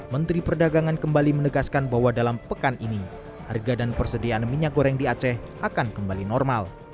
menteri perdagangan kembali menegaskan bahwa dalam pekan ini harga dan persediaan minyak goreng di aceh akan kembali normal